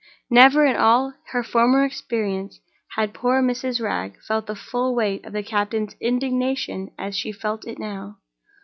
Never, in all her former experience, had poor Mrs. Wragge felt the full weight of the captain's indignation as she felt it now.